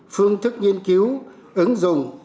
phương thức nghiên cứu ứng dụng